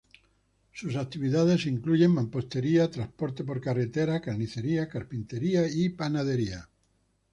Sus actividades incluyen mampostería, transporte por carreta, carnicería, carpintería y panadería.